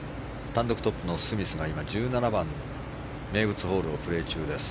単独トップのスミスが１７番、名物ホールをプレー中です。